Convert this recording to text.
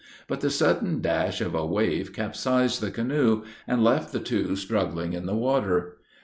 But the sudden dash of a wave capsized the canoe, and left the two struggling in the water.